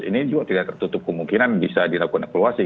ini juga tidak tertutup kemungkinan bisa dilakukan evaluasi